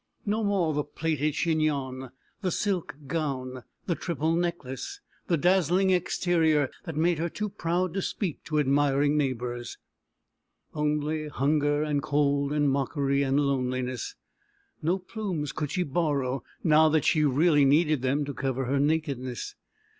No more the plaited chignon, the silk gown, the triple necklace, the dazzling exterior that made her too proud to speak to admiring neighbours, only hunger and cold and mockery and loneliness. No plumes could she borrow, now that she really needed them to cover her nakedness.